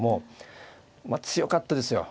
まあ強かったですよ。